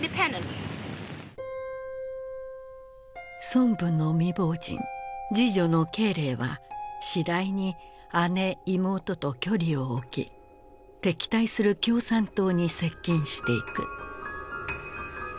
孫文の未亡人次女の慶齢は次第に姉妹と距離を置き敵対する共産党に接近していく。